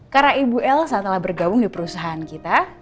karena ibu elsa telah bergabung di perusahaan kita